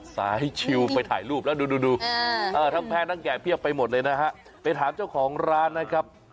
สายชิวไปถ่ายรูปแล้วดูดูทั้งแพ้ทั้งแก่เพียบไปหมดเลยนะฮะไปถามเจ้าของร้านนะครับ